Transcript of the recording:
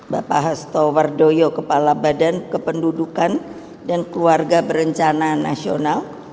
bapak hasto wardoyo kepala badan kependudukan dan keluarga berencana nasional